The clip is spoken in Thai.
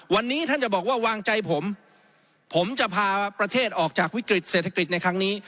วันนี้ท่านจะบอกว่าวางใจผมผมจะพาประเทศออกจากวิกฤตเศรษฐกิจในครั้งนี้